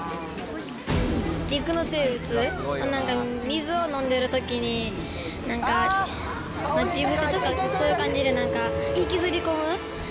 陸の生物、なんか水を飲んでるときに、なんか待ち伏せとかそういう感じで、なんか引きずり込む。